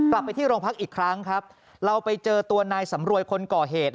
กลับไปที่โรงพักอีกครั้งครับเราไปเจอตัวนายสำรวยคนก่อเหตุ